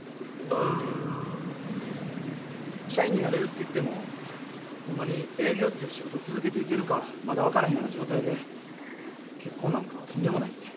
社員になれるって言ってもホンマに営業っていう仕事続けていけるかまだ分からへんような状態で結婚なんかとんでもないって。